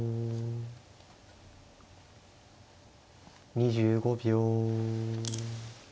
２５秒。